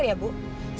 jadi dan makanya